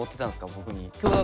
僕に。